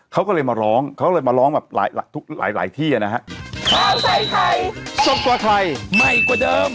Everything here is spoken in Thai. เขาก็เลยมาร้องมาร้องแบบหลายที่นะครับ